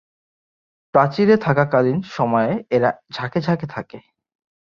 প্রাচীরে থাকাকালীন সময়ে এরা ঝাঁকে ঝাঁকে থাকে।